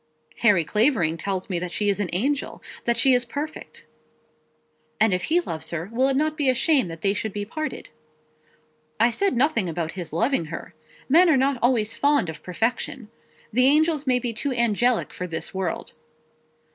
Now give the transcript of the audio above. "Harry Clavering tells me that she is an angel, that she is perfect." "And if he loves her, will it not be a shame that they should be parted?" "I said nothing about his loving her. Men are not always fond of perfection. The angels may be too angelic for this world."